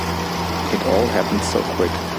It all happened so quick.